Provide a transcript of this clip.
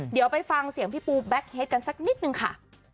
เดี๋ยวไปฟังเสียงพี่ปูแบ็คเฮดกันสักนิดนึงค่ะ